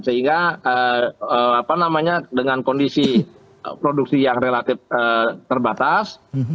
sehingga dengan kondisi produksi yang relatif terbatas